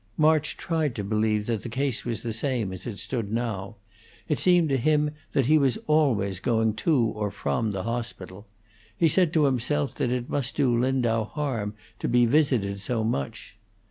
March tried to believe that the case was the same, as it stood now; it seemed to him that he was always going to or from the hospital; he said to himself that it must do Lindau harm to be visited so much.